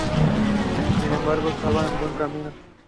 Sin embargo, estaba en el buen camino.